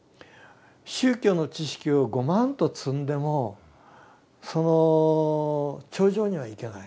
宗教の知識をごまんと積んでもその頂上には行けない。